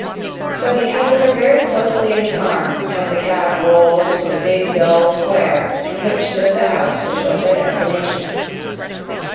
So he held her very closely in his arms as the cab rolled into the big, dull square in which stood the house which was their destination.